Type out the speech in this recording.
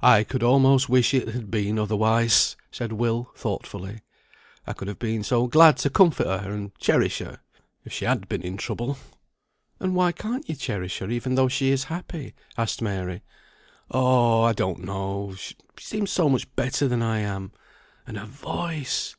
"I could almost wish it had been otherwise," said Will, thoughtfully. "I could have been so glad to comfort her, and cherish her, if she had been in trouble." "And why can't you cherish her, even though she is happy?" asked Mary. "Oh! I don't know. She seems so much better than I am! And her voice!